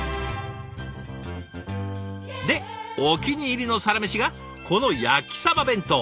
でお気に入りのサラメシがこの焼きサバ弁当。